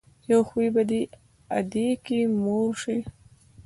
يو خوي به دې ادکې مور شي.